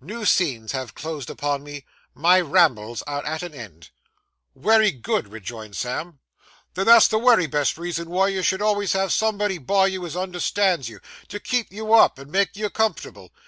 'New scenes have closed upon me; my rambles are at an end.' 'Wery good,' rejoined Sam. 'Then, that's the wery best reason wy you should alvays have somebody by you as understands you, to keep you up and make you comfortable.